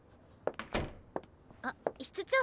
あっ室長。